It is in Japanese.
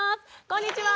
こんにちは。